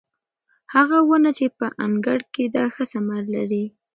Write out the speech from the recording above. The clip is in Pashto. هغه ونه چې په انګړ کې ده ښه ثمر لري.